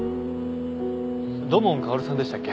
土門薫さんでしたっけ？